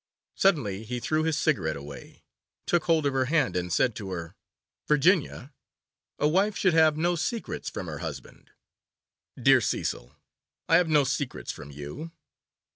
Suddenly he threw his cigarette away, took hold of her hand, and said to her, 'Virginia, a wife should have no secrets from her husband.' 'Dear Cecil! I have no secrets from you.